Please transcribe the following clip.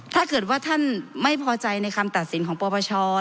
ถ้าเกิดว่าท่านไม่พอใจในคำตัดสินของปปช